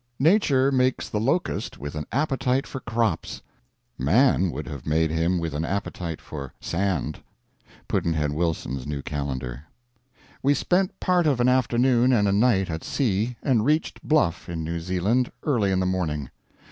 Nature makes the locust with an appetite for crops; man would have made him with an appetite for sand. Pudd'nhead Wilson's New Calendar. We spent part of an afternoon and a night at sea, and reached Bluff, in New Zealand, early in the morning.